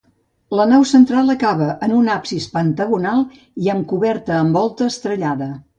La nau central acaba en un absis pentagonal i amb coberta en volta estrellada.